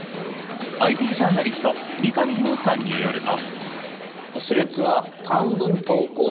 ＩＴジャーナリスト三上洋さんによると。